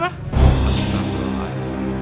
pak aji tak berani